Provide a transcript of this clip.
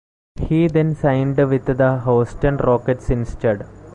He then signed with the Houston Rockets instead.